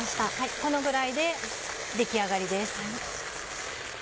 このぐらいで出来上がりです。